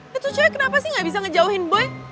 ya tuh cewek kenapa sih nggak bisa ngejauhin boy